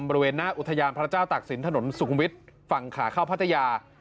บริเวณหน้าอุทยานพระเจ้าตักศิลปถนนสุขุมวิทย์ฝั่งขาเข้าพัทยา